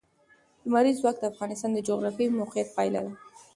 لمریز ځواک د افغانستان د جغرافیایي موقیعت پایله ده.